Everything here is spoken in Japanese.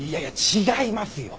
違いますよ。